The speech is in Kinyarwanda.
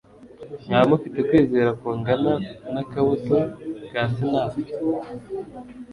« Mwaba mufite kwizera kungana n'akabuto ka Sinapi,